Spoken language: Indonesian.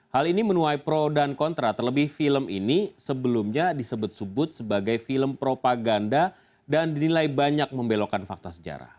hal ini menuai pro dan kontra terlebih film ini sebelumnya disebut sebut sebagai film propaganda dan dinilai banyak membelokkan fakta sejarah